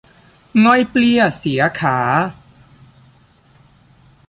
ง่อยเปลี้ยเสียขา